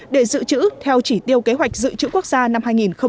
để dự trữ theo chỉ tiêu kế hoạch dự trữ quốc gia năm hai nghìn hai mươi